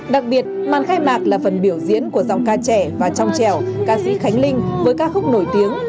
đặc biệt màn khai mạc là phần biểu diễn của dòng ca trẻ và trong trèo ca sĩ khánh linh với ca khúc nổi tiếng